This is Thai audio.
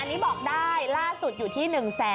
อันนี้บอกได้ล่าสุดอยู่ที่๑แสน